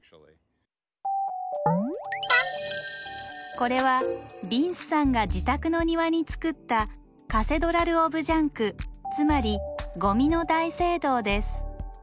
これはビンスさんが自宅の庭に作ったカセドラル・オブ・ジャンクつまりゴミの大聖堂です。